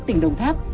tỉnh đồng tháp